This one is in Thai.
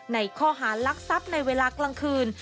ในข้อหารักทรัพย์ในเวลากลางคืน